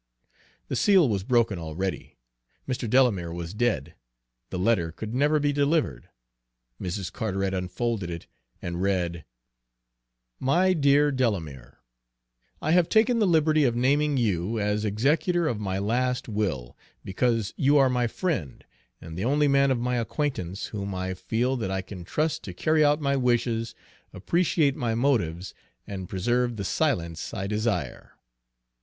The seal was broken already; Mr. Delamere was dead; the letter could never be delivered. Mrs. Carteret unfolded it and read: MY DEAR DELAMERE, I have taken the liberty of naming you as executor of my last will, because you are my friend, and the only man of my acquaintance whom I feel that I can trust to carry out my wishes, appreciate my motives, and preserve the silence I desire.